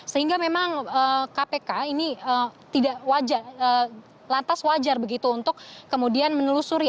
sehingga memang kpk ini tidak lantas wajar begitu untuk kemudian menelusuri